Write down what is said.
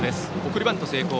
送りバント成功。